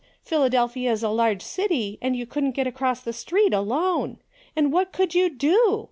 Philadelphia is a large city and you couldn't get across the street alone. And what could you do